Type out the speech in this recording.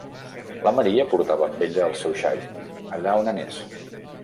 La Maria portava amb ella el seu xai, allà on anés.